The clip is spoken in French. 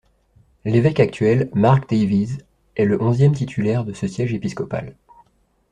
L'évêque actuel, Mark Davies, est le onzième titulaire de ce siège épiscopal.